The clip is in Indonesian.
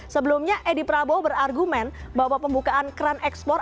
sebelumnya edi prabowo berargumen bahwa pembukaan keran ekspor